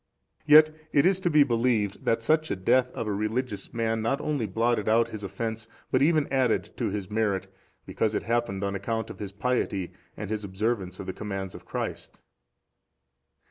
Yet it is to be believed, that such a death of a religious man not only blotted out his offence, but even added to his merit; because it happened on account of his piety and his observance of the commands of Christ.